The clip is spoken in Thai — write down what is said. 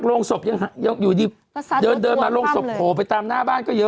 โรงศพยังอยู่ดีเดินมาโรงศพโผล่ไปตามหน้าบ้านก็เยอะ